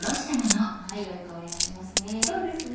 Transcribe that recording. よい香りがしますね。